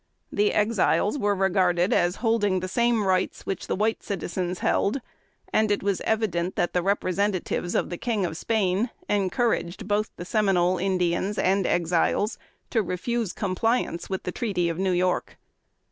The Exiles were regarded as holding the same rights which the white citizens held; and it was evident, that the representatives of the King of Spain encouraged both the Seminole Indians and Exiles, to refuse compliance with the treaty of New York.